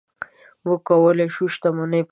موږ کولی شو د شتمنۍ پر مالیاتو نوي ګامونه واخلو.